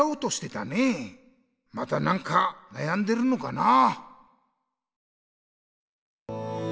また何かなやんでるのかな？